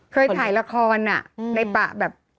เคยถ่ายละครอ่ะในประตูงิตนแบบ